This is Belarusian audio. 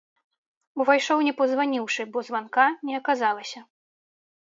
Увайшоў не пазваніўшы, бо званка не аказалася.